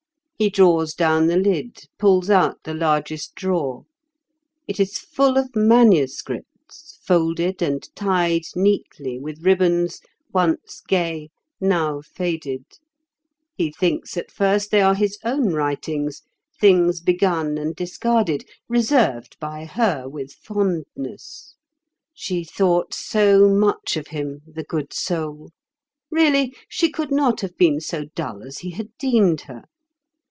He draws down the lid, pulls out the largest drawer. It is full of manuscripts, folded and tied neatly with ribbons once gay, now faded. He thinks at first they are his own writings—things begun and discarded, reserved by her with fondness. She thought so much of him, the good soul! Really, she could not have been so dull as he had deemed her.